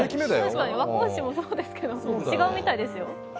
確かに和光市もそうですけど、違うみたいですよ。